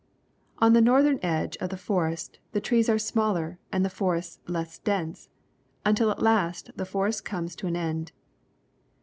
On the northern edge of the forest the trees are smaller and the forests less dense, until at last the forest comes to an end.